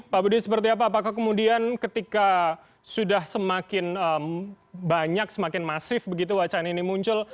pak budi seperti apa apakah kemudian ketika sudah semakin banyak semakin masif begitu wacana ini muncul